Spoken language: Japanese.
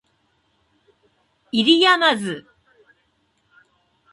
不入斗